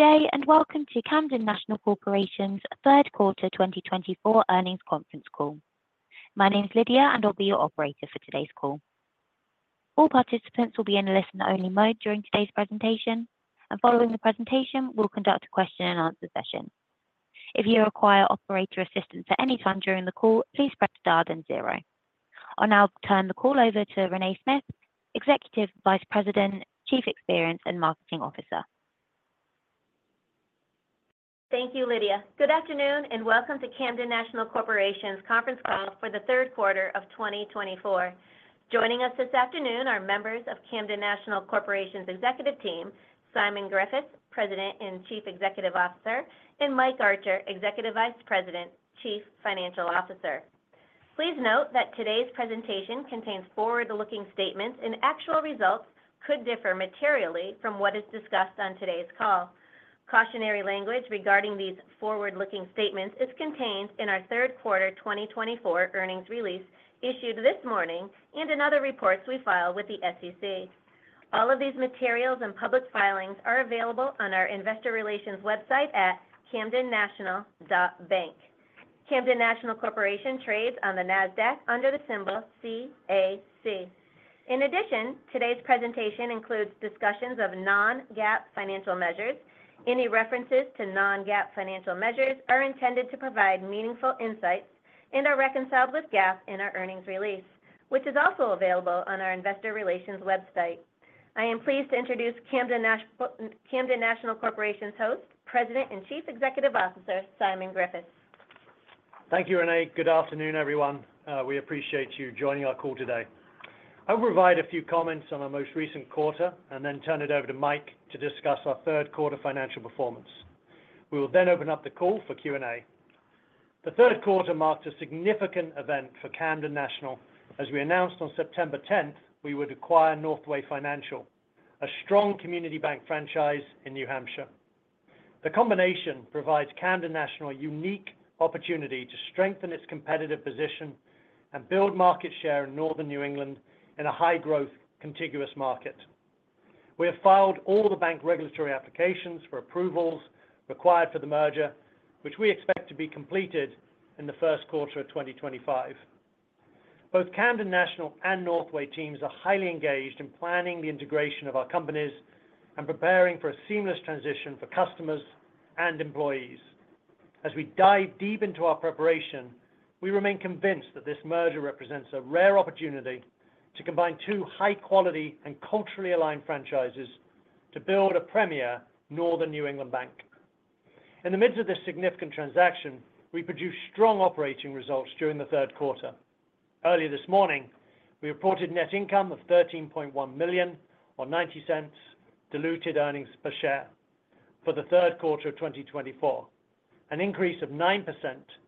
Good day and welcome to Camden National Corporation's Q3 2024 Earnings Conference Call. My name's Lydia, and I'll be your operator for today's call. All participants will be in a listen-only mode during today's presentation, and following the presentation, we'll conduct a question-and-answer session. If you require operator assistance at any time during the call, please press star then zero. I'll now turn the call over to Renée Smyth, Executive Vice President, Chief Experience and Marketing Officer. Thank you, Lydia. Good afternoon and welcome to Camden National Corporation's Conference Call for the Q3 of 2024. Joining us this afternoon are members of Camden National Corporation's executive team, Simon Griffiths, President and Chief Executive Officer, and Mike Archer, Executive Vice President, Chief Financial Officer. Please note that today's presentation contains forward-looking statements, and actual results could differ materially from what is discussed on today's call. Cautionary language regarding these forward-looking statements is contained in our Q3 2024 earnings release issued this morning and in other reports we file with the SEC. All of these materials and public filings are available on our investor relations website at camdennational.bank. Camden National Corporation trades on the NASDAQ under the symbol CAC. In addition, today's presentation includes discussions of non-GAAP financial measures. Any references to non-GAAP financial measures are intended to provide meaningful insights and are reconciled with GAAP in our earnings release, which is also available on our investor relations website. I am pleased to introduce Camden National Corporation's host, President and Chief Executive Officer, Simon Griffiths. Thank you, Renée. Good afternoon, everyone. We appreciate you joining our call today. I'll provide a few comments on our most recent quarter and then turn it over to Mike to discuss our Q3 financial performance. We will then open up the call for Q&A. The Q3 marked a significant event for Camden National. As we announced on September 10th, we would acquire Northway Financial, a strong community bank franchise in New Hampshire. The combination provides Camden National a unique opportunity to strengthen its competitive position and build market share in Northern New England in a high-growth, contiguous market. We have filed all the bank regulatory applications for approvals required for the merger, which we expect to be completed in the Q1 of 2025. Both Camden National and Northway teams are highly engaged in planning the integration of our companies and preparing for a seamless transition for customers and employees. As we dive deep into our preparation, we remain convinced that this merger represents a rare opportunity to combine two high-quality and culturally aligned franchises to build a premier Northern New England bank. In the midst of this significant transaction, we produced strong operating results during the Q3. Earlier this morning, we reported net income of $13.1 million or $0.90 diluted earnings per share for the Q3 of 2024, an increase of 9%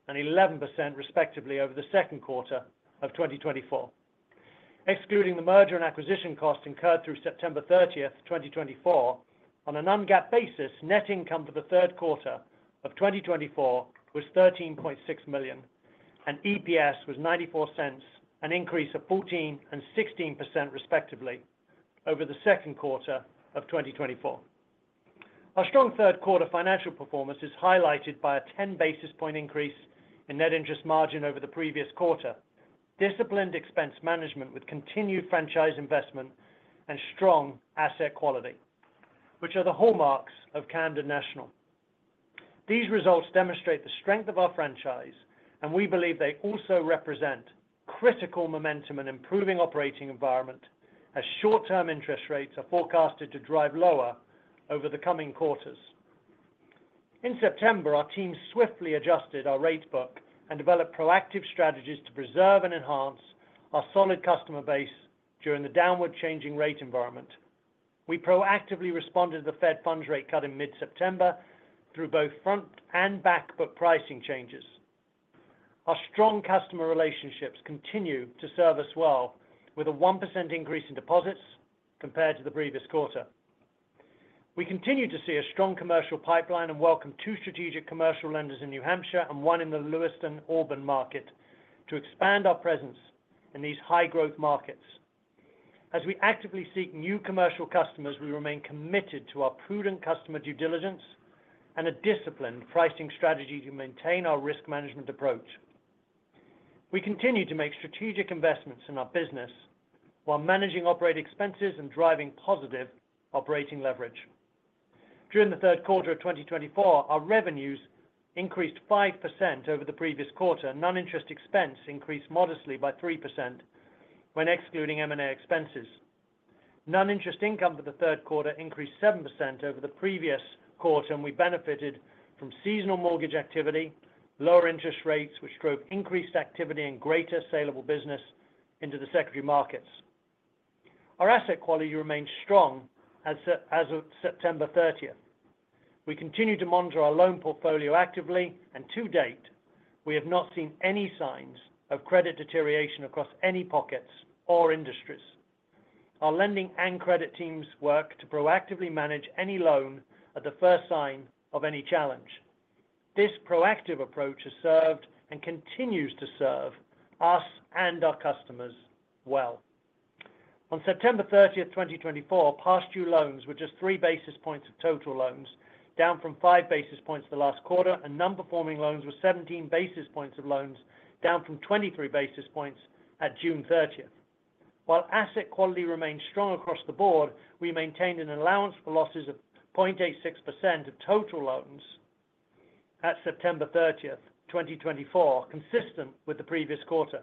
and 11% respectively over the Q2 of 2024. Excluding the merger and acquisition costs incurred through September 30th, 2024, on a non-GAAP basis, net income for the Q3 of 2024 was $13.6 million, and EPS was $0.94, an increase of 14% and 16% respectively over the Q2 of 2024. Our strong Q3 financial performance is highlighted by a 10 basis point increase in net interest margin over the previous quarter, disciplined expense management with continued franchise investment, and strong asset quality, which are the hallmarks of Camden National. These results demonstrate the strength of our franchise, and we believe they also represent critical momentum and improving operating environment as short-term interest rates are forecasted to drive lower over the coming quarters. In September, our team swiftly adjusted our rate book and developed proactive strategies to preserve and enhance our solid customer base during the downward-changing rate environment. We proactively responded to the Fed funds rate cut in mid-September through both front and back book pricing changes. Our strong customer relationships continue to serve us well, with a 1% increase in deposits compared to the previous quarter. We continue to see a strong commercial pipeline and welcome two strategic commercial lenders in New Hampshire and one in the Lewiston-Auburn market to expand our presence in these high-growth markets. As we actively seek new commercial customers, we remain committed to our prudent customer due diligence and a disciplined pricing strategy to maintain our risk management approach. We continue to make strategic investments in our business while managing operating expenses and driving positive operating leverage. During the Q3 of 2024, our revenues increased 5% over the previous quarter, and non-interest expense increased modestly by 3% when excluding M&A expenses. Non-interest income for the Q3 increased 7% over the previous quarter, and we benefited from seasonal mortgage activity, lower interest rates, which drove increased activity and greater saleable business into the secondary markets. Our asset quality remained strong as of September 30th. We continue to monitor our loan portfolio actively, and to date, we have not seen any signs of credit deterioration across any pockets or industries. Our lending and credit teams work to proactively manage any loan at the first sign of any challenge. This proactive approach has served and continues to serve us and our customers well. On September 30th, 2024, past due loans were just three basis points of total loans, down from five basis points the last quarter, and non-performing loans were 17 basis points of loans, down from 23 basis points at June 30th. While asset quality remained strong across the board, we maintained an allowance for losses of 0.86% of total loans at September 30th, 2024, consistent with the previous quarter.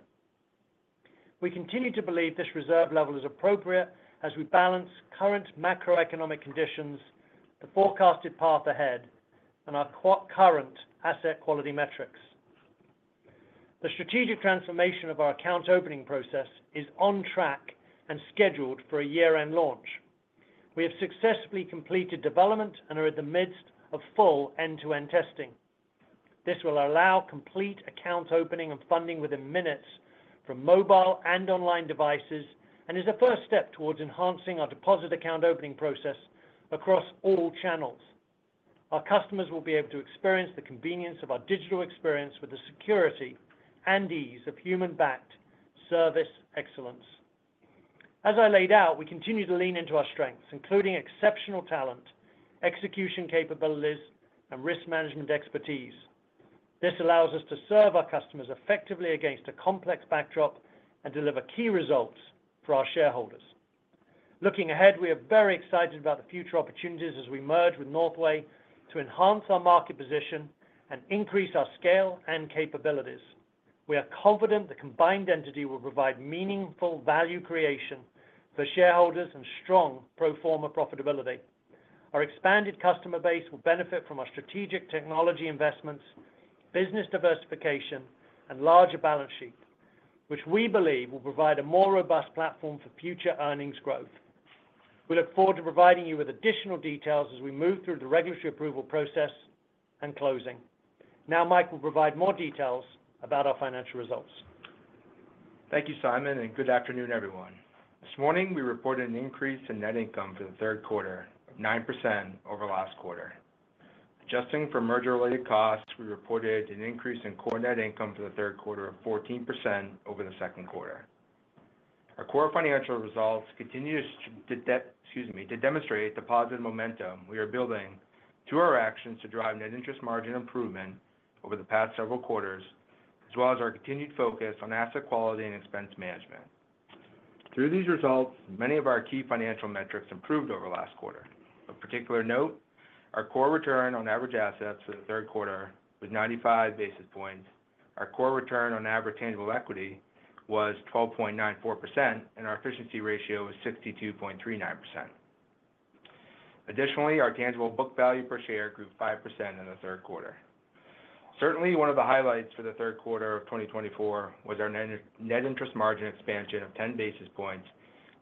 We continue to believe this reserve level is appropriate as we balance current macroeconomic conditions, the forecasted path ahead, and our current asset quality metrics. The strategic transformation of our account opening process is on track and scheduled for a year-end launch. We have successfully completed development and are in the midst of full end-to-end testing. This will allow complete account opening and funding within minutes from mobile and online devices and is a first step towards enhancing our deposit account opening process across all channels. Our customers will be able to experience the convenience of our digital experience with the security and ease of human-backed service excellence. As I laid out, we continue to lean into our strengths, including exceptional talent, execution capabilities, and risk management expertise. This allows us to serve our customers effectively against a complex backdrop and deliver key results for our shareholders. Looking ahead, we are very excited about the future opportunities as we merge with Northway to enhance our market position and increase our scale and capabilities. We are confident the combined entity will provide meaningful value creation for shareholders and strong pro forma profitability. Our expanded customer base will benefit from our strategic technology investments, business diversification, and larger balance sheet, which we believe will provide a more robust platform for future earnings growth. We look forward to providing you with additional details as we move through the regulatory approval process and closing. Now, Mike will provide more details about our financial results. Thank you, Simon, and good afternoon, everyone. This morning, we reported an increase in net income for the Q3 of 9% over last quarter. Adjusting for merger-related costs, we reported an increase in core net income for the Q3 of 14% over the Q2. Our core financial results continue to demonstrate the positive momentum we are building through our actions to drive net interest margin improvement over the past several quarters, as well as our continued focus on asset quality and expense management. Through these results, many of our key financial metrics improved over last quarter. Of particular note, our core return on average assets for the Q3 was 95 basis points. Our core return on average tangible equity was 12.94%, and our efficiency ratio was 62.39%. Additionally, our tangible book value per share grew 5% in the Q3. Certainly, one of the highlights for the Q3 of 2024 was our net interest margin expansion of 10 basis points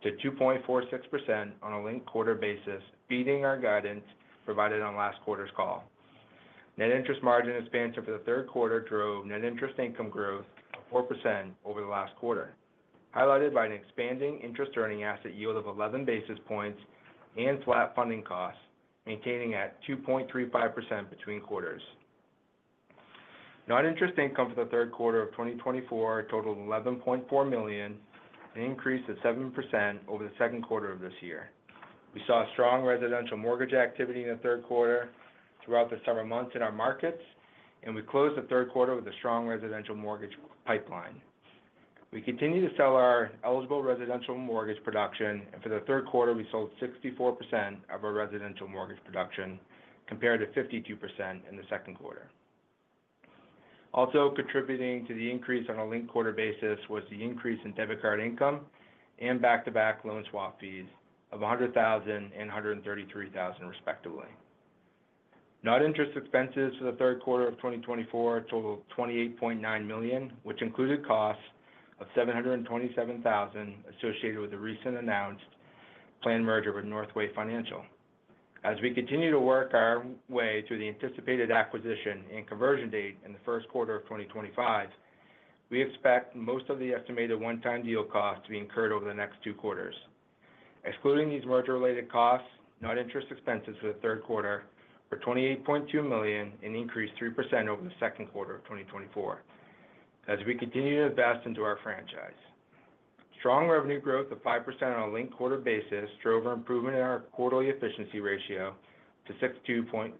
to 2.46% on a linked quarter basis, beating our guidance provided on last quarter's call. Net interest margin expansion for the Q3 drove net interest income growth of 4% over the last quarter, highlighted by an expanding interest-earning asset yield of 11 basis points and flat funding costs, maintaining at 2.35% between quarters. Non-interest income for the Q3 of 2024 totaled $11.4 million, an increase of 7% over the Q2 of this year. We saw strong residential mortgage activity in the Q3 throughout the summer months in our markets, and we closed the Q3 with a strong residential mortgage pipeline. We continue to sell our eligible residential mortgage production, and for the Q3, we sold 64% of our residential mortgage production, compared to 52% in the Q2. Also, contributing to the increase on a linked quarter basis was the increase in debit card income and back-to-back loan swap fees of $100,000 and $133,000, respectively. Non-interest expenses for the Q3 of 2024 totaled $28.9 million, which included costs of $727,000 associated with the recently announced planned merger with Northway Financial. As we continue to work our way through the anticipated acquisition and conversion date in the Q1 of 2025, we expect most of the estimated one-time deal costs to be incurred over the next two quarters. Excluding these merger-related costs, non-interest expenses for the Q3 were $28.2 million and increased 3% over the Q2 of 2024 as we continue to invest into our franchise. Strong revenue growth of 5% on a linked quarter basis drove an improvement in our quarterly efficiency ratio to 62.39%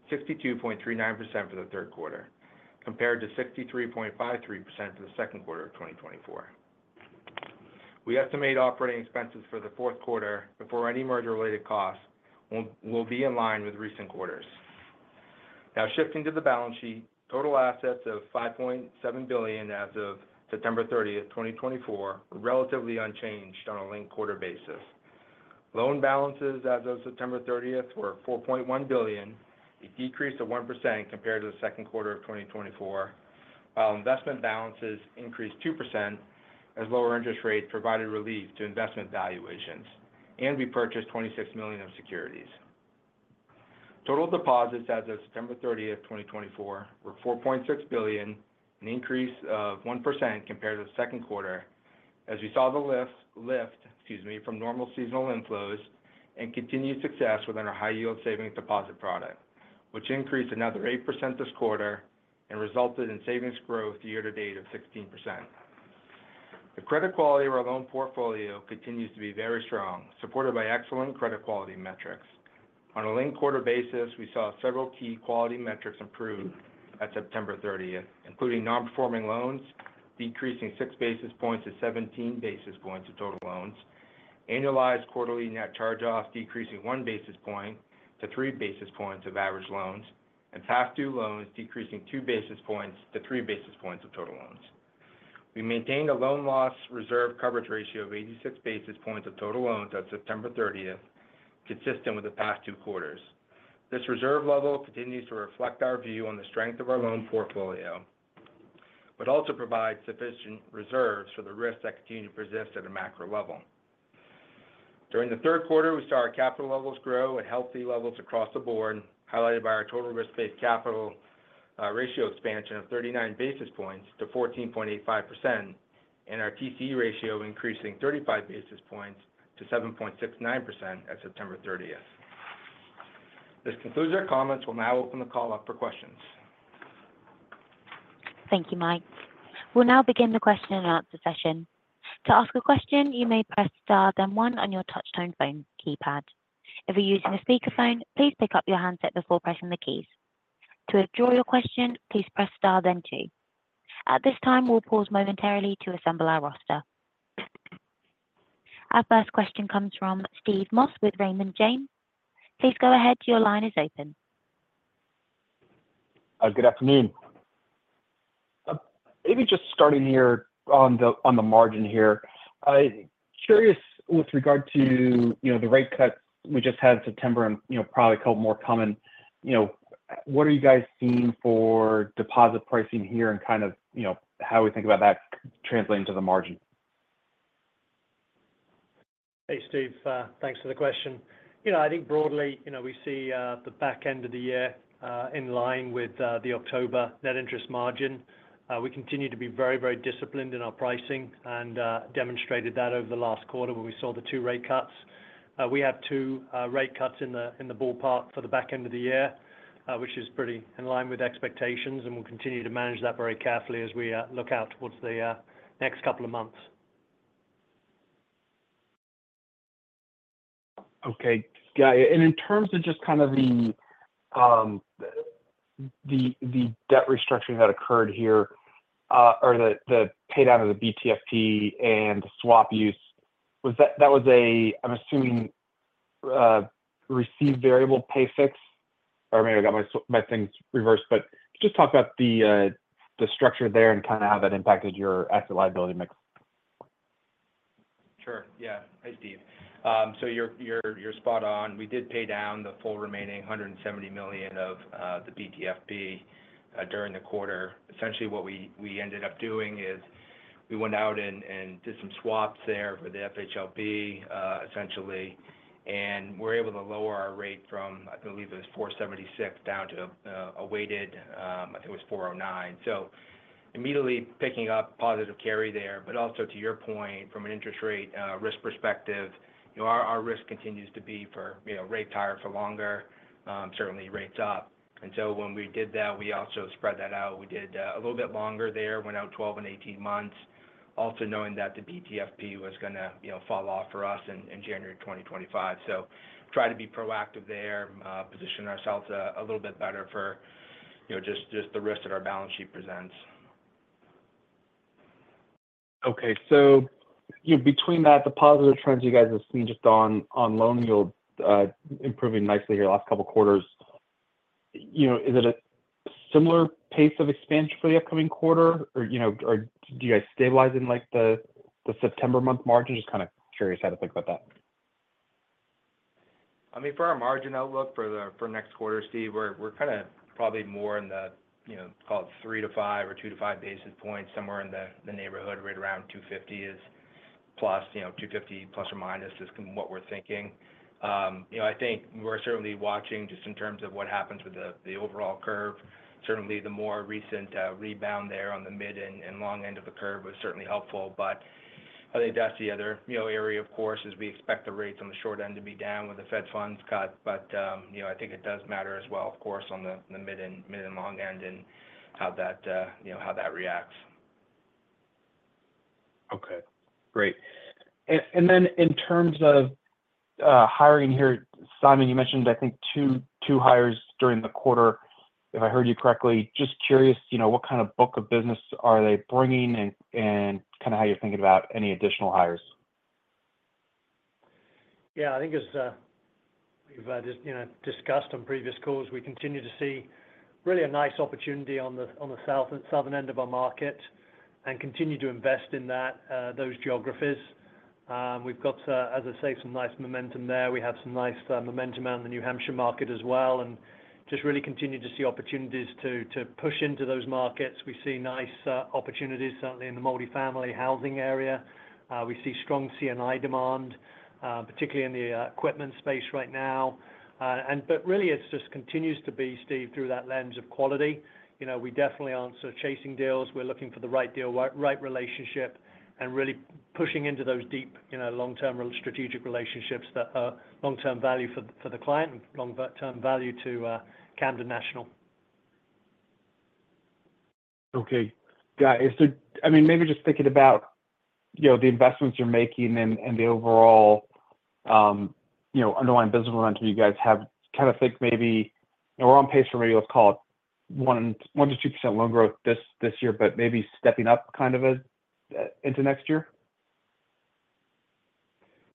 for the Q3, compared to 63.53% for the Q2 of 2024. We estimate operating expenses for the Q4 before any merger-related costs will be in line with recent quarters. Now, shifting to the balance sheet, total assets of $5.7 billion as of September 30th, 2024, were relatively unchanged on a linked quarter basis. Loan balances as of September 30th were $4.1 billion, a decrease of 1% compared to the Q2 of 2024, while investment balances increased 2% as lower interest rates provided relief to investment valuations and repurchased $26 million of securities. Total deposits as of September 30th, 2024, were $4.6 billion, an increase of 1% compared to the Q2 as we saw the lift from normal seasonal inflows and continued success within our high-yield savings deposit product, which increased another 8% this quarter and resulted in savings growth year-to-date of 16%. The credit quality of our loan portfolio continues to be very strong, supported by excellent credit quality metrics. On a linked quarter basis, we saw several key quality metrics improve at September 30th, including non-performing loans decreasing 6 basis points to 17 basis points of total loans, annualized quarterly net charge-off decreasing 1 basis point to 3 basis points of average loans, and past due loans decreasing 2 basis points to 3 basis points of total loans. We maintained a loan loss reserve coverage ratio of 86 basis points of total loans on September 30th, consistent with the past two quarters. This reserve level continues to reflect our view on the strength of our loan portfolio, but also provides sufficient reserves for the risks that continue to persist at a macro level. During the Q3, we saw our capital levels grow at healthy levels across the board, highlighted by our total risk-based capital ratio expansion of 39 basis points to 14.85% and our TCE ratio increasing 35 basis points to 7.69% at September 30th. This concludes our comments. We'll now open the call up for questions. Thank you, Mike. We'll now begin the question and answer session. To ask a question, you may press star then one on your touch-tone phone keypad. If you're using a speakerphone, please pick up your handset before pressing the keys. To withdraw your question, please press * then 2. At this time, we'll pause momentarily to assemble our roster. Our first question comes from Steve Moss with Raymond James. Please go ahead. Your line is open. Good afternoon. Maybe just starting here on the margin here, curious with regard to the rate cuts we just had in September and probably more to come. What are you guys seeing for deposit pricing here and kind of how we think about that translating to the margin? Hey, Steve. Thanks for the question. I think broadly, we see the back end of the year in line with the October net interest margin. We continue to be very, very disciplined in our pricing and demonstrated that over the last quarter when we saw the two rate cuts. We have two rate cuts in the ballpark for the back end of the year, which is pretty in line with expectations, and we'll continue to manage that very carefully as we look out towards the next couple of months. Okay. Got it. And in terms of just kind of the debt restructuring that occurred here or the pay down of the BTFP and the swap use, that was a, I'm assuming, received variable pay fix? Or maybe I got my things reversed. But just talk about the structure there and kind of how that impacted your asset liability mix. Sure. Yeah. Hey, Steve. So you're spot on. We did pay down the full remaining $170 million of the BTFP during the quarter. Essentially, what we ended up doing is we went out and did some swaps there for the FHLB, essentially, and we're able to lower our rate from, I believe it was 476 down to a weighted, I think it was 409. So immediately picking up positive carry there, but also to your point, from an interest rate risk perspective, our risk continues to be for rate higher for longer, certainly rates up. And so when we did that, we also spread that out. We did a little bit longer there, went out 12 and 18 months, also knowing that the BTFP was going to fall off for us in January 2025. Tried to be proactive there, position ourselves a little bit better for just the risk that our balance sheet presents. Okay, so between that, the positive trends you guys have seen just on loan yield improving nicely here the last couple of quarters, is it a similar pace of expansion for the upcoming quarter, or do you guys stabilize in the September month margin? Just kind of curious how to think about that. I mean, for our margin outlook for next quarter, Steve, we're kind of probably more in the, call it three to five or two to five basis points, somewhere in the neighborhood, right around 250 is plus 250 plus or minus is what we're thinking. I think we're certainly watching just in terms of what happens with the overall curve. Certainly, the more recent rebound there on the mid and long end of the curve was certainly helpful. But I think that's the other area, of course, is we expect the rates on the short end to be down with the Fed funds cut. But I think it does matter as well, of course, on the mid and long end and how that reacts. Okay. Great. And then in terms of hiring here, Simon, you mentioned, I think, two hires during the quarter, if I heard you correctly. Just curious, what kind of book of business are they bringing and kind of how you're thinking about any additional hires? Yeah. I think as we've discussed on previous calls, we continue to see really a nice opportunity on the southern end of our market and continue to invest in those geographies. We've got, as I say, some nice momentum there. We have some nice momentum on the New Hampshire market as well and just really continue to see opportunities to push into those markets. We see nice opportunities, certainly, in the multi-family housing area. We see strong C&I demand, particularly in the equipment space right now. But really, it just continues to be, Steve, through that lens of quality. We definitely aren't sort of chasing deals. We're looking for the right deal, right relationship, and really pushing into those deep long-term strategic relationships that are long-term value for the client and long-term value to Camden National. Okay. Got it. I mean, maybe just thinking about the investments you're making and the overall underlying business momentum you guys have, kind of think maybe we're on pace for maybe, let's call it, 1%-2% loan growth this year, but maybe stepping up kind of into next year?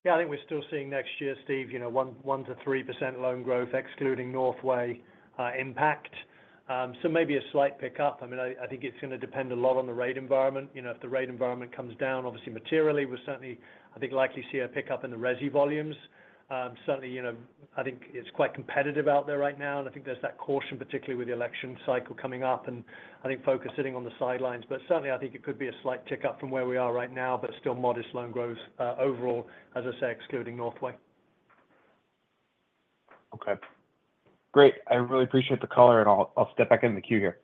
Yeah. I think we're still seeing next year, Steve, 1%-3% loan growth, excluding Northway impact. So maybe a slight pickup. I mean, I think it's going to depend a lot on the rate environment. If the rate environment comes down, obviously, materially, we'll certainly, I think, likely see a pickup in the resi volumes. Certainly, I think it's quite competitive out there right now, and I think there's that caution, particularly with the election cycle coming up, and I think folks sitting on the sidelines. But certainly, I think it could be a slight tick up from where we are right now, but still modest loan growth overall, as I say, excluding Northway. Okay. Great. I really appreciate the caller, and I'll step back in the queue here.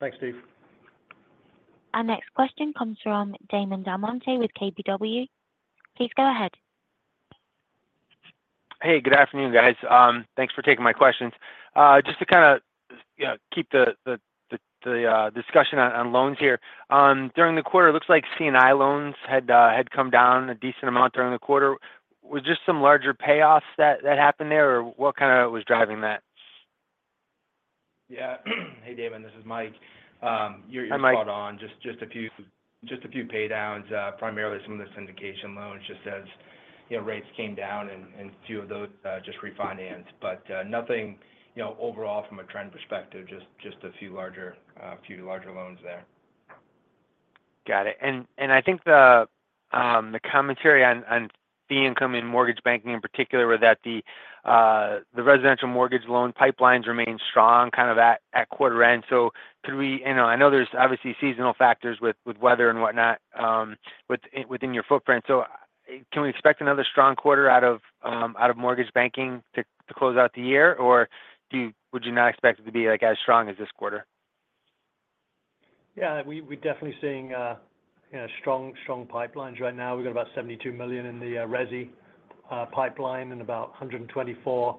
Thanks, Steve. Our next question comes from Damon DelMonte with KBW. Please go ahead. Hey, good afternoon, guys. Thanks for taking my questions. Just to kind of keep the discussion on loans here. During the quarter, it looks like C&I loans had come down a decent amount during the quarter. Was just some larger payoffs that happened there, or what kind of was driving that? Yeah. Hey, Damon. This is Mike. You're spot on. Just a few paydowns, primarily some of the syndication loans, just as rates came down, and a few of those just refinanced. But nothing overall from a trend perspective, just a few larger loans there. Got it. And I think the commentary on the income in mortgage banking in particular was that the residential mortgage loan pipelines remain strong kind of at quarter end. So I know there's obviously seasonal factors with weather and whatnot within your footprint. So can we expect another strong quarter out of mortgage banking to close out the year, or would you not expect it to be as strong as this quarter? Yeah. We're definitely seeing strong pipelines right now. We've got about $72 million in the resi pipeline and about 124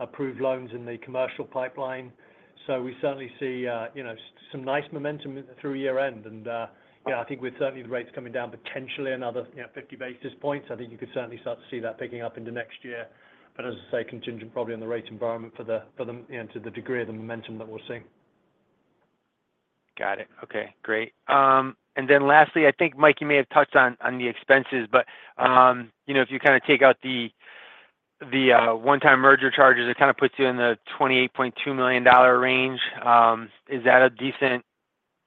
approved loans in the commercial pipeline. So we certainly see some nice momentum through year-end. And yeah, I think with certainly the rates coming down, potentially another 50 basis points, I think you could certainly start to see that picking up into next year. But as I say, contingent probably on the rate environment for the degree of the momentum that we're seeing. Got it. Okay. Great. And then lastly, I think, Mike, you may have touched on the expenses, but if you kind of take out the one-time merger charges, it kind of puts you in the $28.2 million range. Is that a decent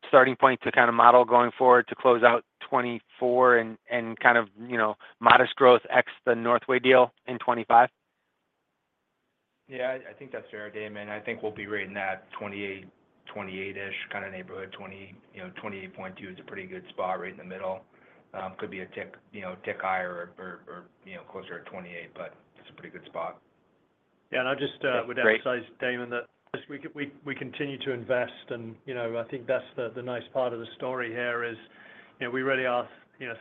starting point to kind of model going forward to close out 2024 and kind of modest growth x the Northway deal in 2025? Yeah. I think that's fair, Damon. I think we'll be right in that 28-ish kind of neighborhood. 28.2 is a pretty good spot right in the middle. Could be a tick higher or closer to 28, but it's a pretty good spot. Yeah. And I'll just. Great. Would emphasize, Damon, that. We continue to invest, and I think that's the nice part of the story here is we really are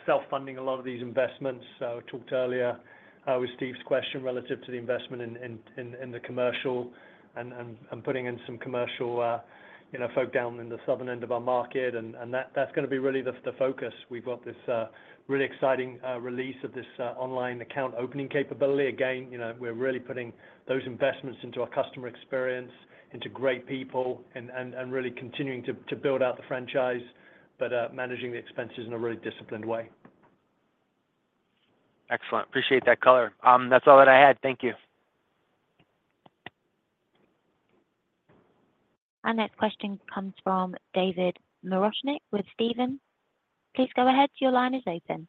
self-funding a lot of these investments, so I talked earlier with Steve's question relative to the investment in the commercial and putting in some commercial folk down in the southern end of our market, and that's going to be really the focus. We've got this really exciting release of this online account opening capability. Again, we're really putting those investments into our customer experience, into great people, and really continuing to build out the franchise, but managing the expenses in a really disciplined way. Excellent. Appreciate that color. That's all that I had. Thank you. Our next question comes from David Marochnik with Stephens. Please go ahead. Your line is open.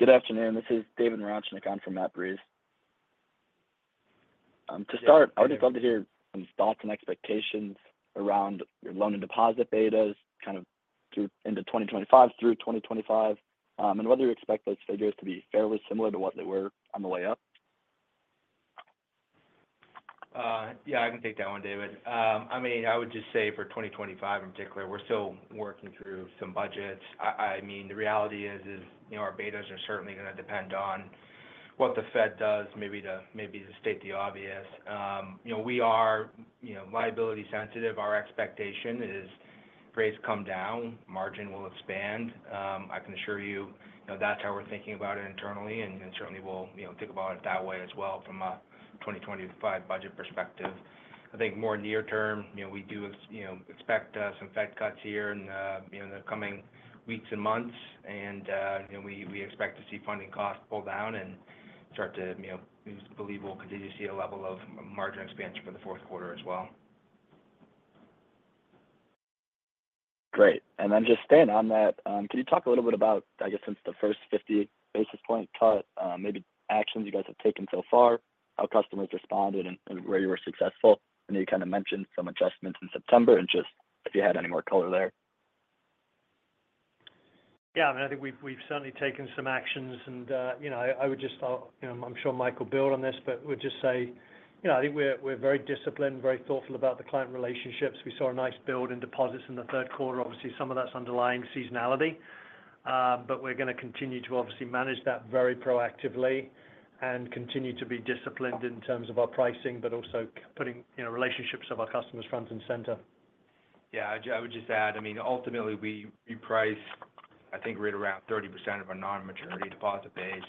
Good afternoon. This is David Marochnik. I'm from Matt Breese. To start, I would just love to hear some thoughts and expectations around your loan and deposit betas kind of into 2025 through 2025 and whether you expect those figures to be fairly similar to what they were on the way up? Yeah. I can take that one, David. I mean, I would just say for 2025 in particular, we're still working through some budgets. I mean, the reality is our betas are certainly going to depend on what the Fed does, maybe to state the obvious. We are liability sensitive. Our expectation is rates come down, margin will expand. I can assure you that's how we're thinking about it internally, and certainly, we'll think about it that way as well from a 2025 budget perspective. I think more near-term, we do expect some Fed cuts here in the coming weeks and months, and we expect to see funding costs pull down and start to believe we'll continue to see a level of margin expansion for the Q4 as well. Great. And then just staying on that, can you talk a little bit about, I guess, since the first 50 basis points cut, maybe actions you guys have taken so far, how customers responded, and where you were successful? I know you kind of mentioned some adjustments in September and just if you had any more color there. Yeah. I mean, I think we've certainly taken some actions, and I would just, I'm sure Michael built on this, but would just say I think we're very disciplined, very thoughtful about the client relationships. We saw a nice build in deposits in the Q3. Obviously, some of that's underlying seasonality, but we're going to continue to obviously manage that very proactively and continue to be disciplined in terms of our pricing, but also putting relationships of our customers front and center. Yeah. I would just add, I mean, ultimately, we price, I think, right around 30% of our non-maturity deposit base.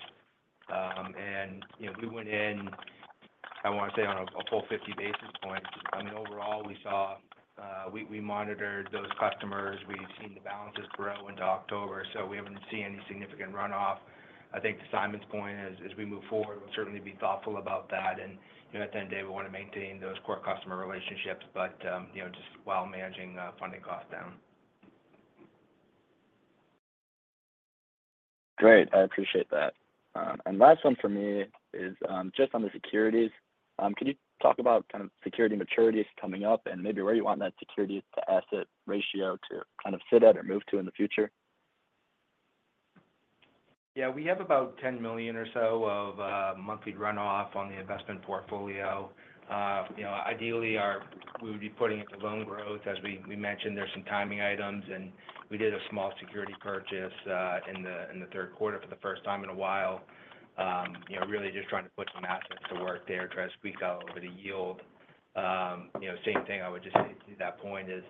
And we went in, I want to say, on a full 50 basis points. I mean, overall, we monitored those customers. We've seen the balances grow into October, so we haven't seen any significant runoff. I think to Simon's point, as we move forward, we'll certainly be thoughtful about that. And at the end of the day, we want to maintain those core customer relationships, but just while managing funding costs down. Great. I appreciate that. And last one for me is just on the securities. Can you talk about kind of securities maturities coming up and maybe where you want that securities-to-assets ratio to kind of sit at or move to in the future? Yeah. We have about $10 million or so of monthly runoff on the investment portfolio. Ideally, we would be putting it to loan growth. As we mentioned, there's some timing items, and we did a small security purchase in the Q3 for the first time in a while, really just trying to put some assets to work there to squeak out a little bit of yield. Same thing, I would just say to that point is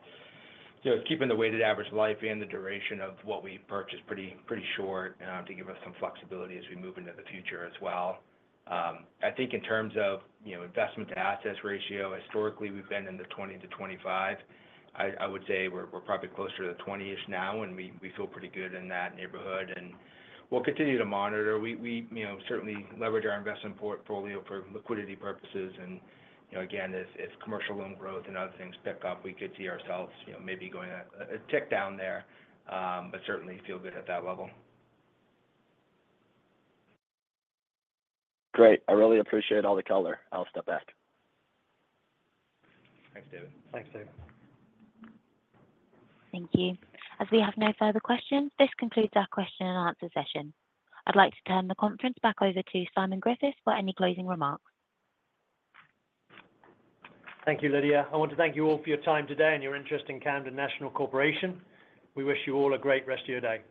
keeping the weighted average life and the duration of what we purchased pretty short to give us some flexibility as we move into the future as well. I think in terms of investment-to-assets ratio, historically, we've been in the 20-25%. I would say we're probably closer to the 20-ish% now, and we feel pretty good in that neighborhood. And we'll continue to monitor. We certainly leverage our investment portfolio for liquidity purposes, and again, if commercial loan growth and other things pick up, we could see ourselves maybe going a tick down there, but certainly feel good at that level. Great. I really appreciate all the color. I'll step back. Thanks, David. Thanks, David. Thank you. As we have no further questions, this concludes our question and answer session. I'd like to turn the conference back over to Simon Griffiths for any closing remarks. Thank you, Lydia. I want to thank you all for your time today and your interest in Camden National Corporation. We wish you all a great rest of your day.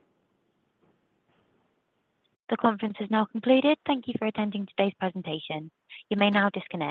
The conference is now completed. Thank you for attending today's presentation. You may now disconnect.